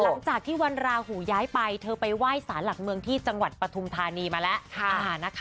หลังจากที่วันราหูย้ายไปเธอไปไหว้สารหลักเมืองที่จังหวัดปฐุมธานีมาแล้ว